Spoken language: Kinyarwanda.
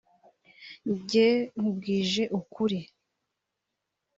“Njye nkubwije ukuri